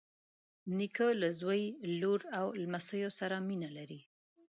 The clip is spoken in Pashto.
نیکه له زوی، لور او لمسیو سره مینه لري.